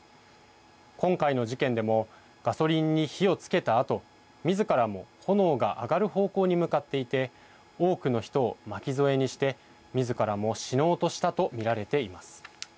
今回の事件でもガソリンに火をつけたあとみずからも炎が上がる方向に向かっていて多くの人を巻き添えにしてみずからも死のうとしたとみられています。